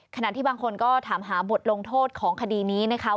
ขณะที่บางคนก็ถามหาบทลงโทษของคดีนี้นะคะ